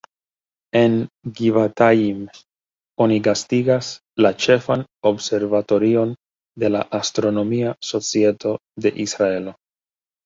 En Givatajim oni gastigas la ĉefan observatorion de la Astronomia Societo de Israelo.